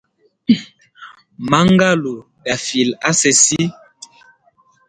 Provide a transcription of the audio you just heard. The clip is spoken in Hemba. Mangalu, gafile asesi.